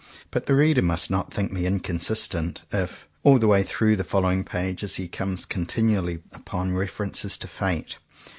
But the reader must not think me inconsistent, if, all the way through the following pages, he comes continually upon references to Fate.